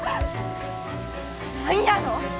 何やの！？